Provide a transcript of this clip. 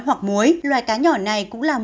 hoặc muối loài cá nhỏ này cũng là một